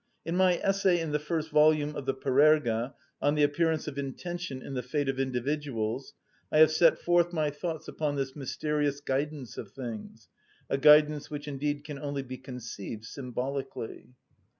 In my essay in the first volume of the Parerga "On the Appearance of Intention in the Fate of Individuals" I have set forth my thoughts upon this mysterious guidance of things, a guidance which indeed can only be conceived symbolically.